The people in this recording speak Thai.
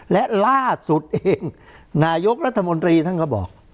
และล่าสุดเองนายกรัฐมนตรีท่านก็บอก